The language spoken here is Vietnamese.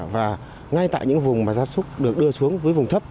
và ngay tại những vùng mà gia súc được đưa xuống với vùng thấp